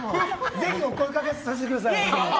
ぜひお声掛けさせてください。